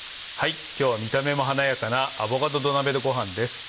今日は見た目も華やかな「アボカド土鍋ごはん」です。